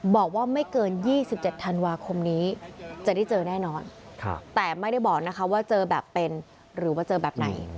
บอกว่าไม่เกิน๒๗ธันวาคมนี้จะได้เจอแน่นอนแต่ไม่ได้บอกนะคะว่าเจอแบบเป็นหรือว่าเจอแบบไหน